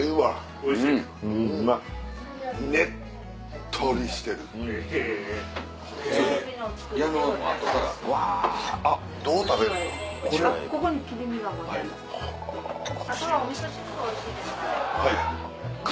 おいしいですか？